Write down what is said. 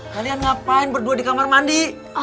kalian ngapain berdua di kamar mandi